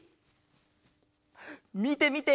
みてみて！